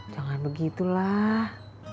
jangan begitu lah